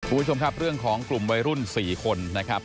คุณผู้ชมครับเรื่องของกลุ่มวัยรุ่น๔คนนะครับ